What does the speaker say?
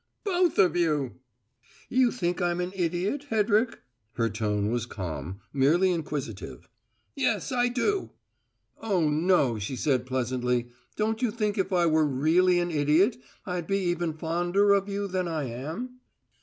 "Both of you!" "You think I'm an idiot, Hedrick?" Her tone was calm, merely inquisitive. "Yes, I do!" "Oh, no," she said pleasantly. "Don't you think if I were really an idiot I'd be even fonder of you than I am?"